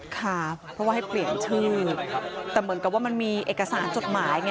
ค่ะเพราะว่าให้เปลี่ยนชื่อแต่เหมือนกับว่ามันมีเอกสารจดหมายไง